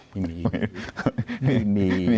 ไม่มี